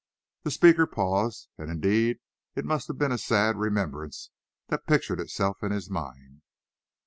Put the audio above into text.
The speaker paused, and indeed it must have been a sad remembrance that pictured itself to his mind.